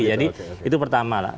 jadi itu pertama lah